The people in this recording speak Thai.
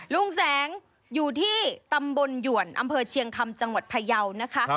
ลุงแสงอยู่ที่ตำบลหยวนอำเภอเชียงคำจังหวัดพยาวนะคะ